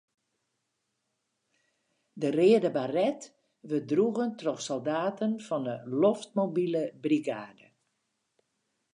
De reade baret wurdt droegen troch soldaten fan 'e loftmobile brigade.